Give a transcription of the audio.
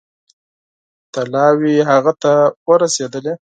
طلاوې هغه ته ورسېدلې.